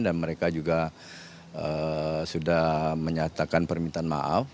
mereka juga sudah menyatakan permintaan maaf